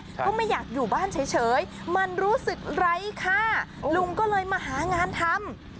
ก็ไม่อยากอยู่บ้านเฉยมันรู้สึกไร้ค่าลุงก็เลยมาหางานทำ